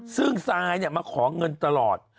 ซึ่งซายมาขอเงินตลอด